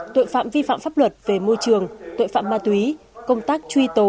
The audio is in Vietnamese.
tội phạm vi phạm pháp luật về môi trường tội phạm ma túy công tác truy tố